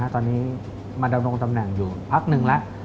ตอนนี้มาดำรงตำแหน่งอยู่พักหนึ่งแล้ว